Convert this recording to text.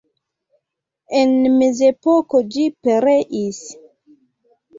En mezepoko ĝi pereis.